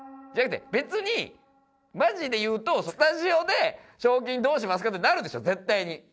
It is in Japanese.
じゃなくて別にマジで言うとスタジオで「賞金どうしますか？」ってなるでしょ絶対に。